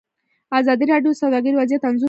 ازادي راډیو د سوداګري وضعیت انځور کړی.